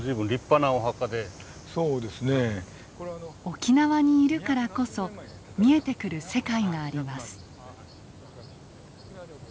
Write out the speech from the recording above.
沖縄にいるからこそ見えてくる世界があります。